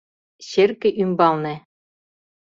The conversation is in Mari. Черке ӱмбалне